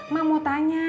mak mau tanya